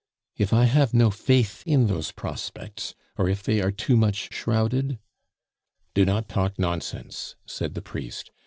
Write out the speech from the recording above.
"If I have no faith in those prospects, or if they are too much shrouded?" "Do not talk nonsense," said the priest.